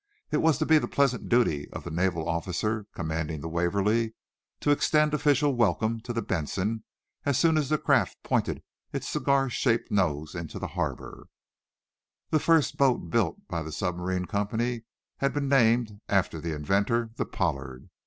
It was to be the pleasant duty of the naval officer commanding the "Waverly" to extend official welcome to the "Benson" as soon as that craft pointed its cigar shaped nose into the harbor. The first boat built by the submarine company had been named, after the inventor, the "Pollard."